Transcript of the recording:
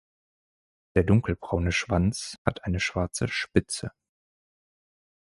Der dunkelbraune Schwanz hat eine schwarze Spitze.